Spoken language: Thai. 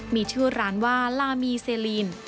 มีชื่อร้านว่าลามีเซลีน